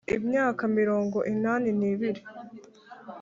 afite imyaka mirongo inani n’ibiri.